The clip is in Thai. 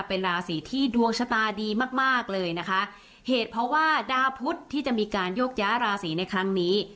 เป็นราศีที่ดวงชะตาดีมากมากเลยนะคะเหตุเพราะว่าดาวพุทธที่จะมีการโยกย้าราศีในครั้งนี้